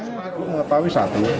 saya ingin mengetahui satu